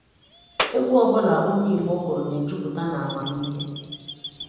egwu ọbụla onye igbo kụrụ na-ejuputaa n'amamihe